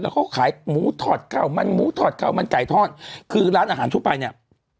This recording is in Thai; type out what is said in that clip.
เขาขายหมูถอดข้าวมันหมูถอดข้าวมันไก่ทอดคือร้านอาหารทั่วไปเนี่ย